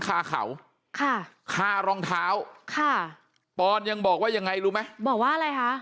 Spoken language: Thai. คาเขาค่ะคารองเท้าค่ะปอนยังบอกว่ายังไงรู้ไหมบอกว่าอะไรคะ